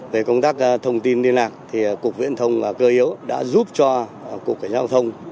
về công tác thông tin liên lạc thì cục viễn thông và cơ yếu đã giúp cho cục cảnh giao thông